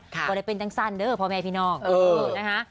ก็เลยเป็นตั้งสั้นเด้อพ่อแม่พี่น้องนะคะ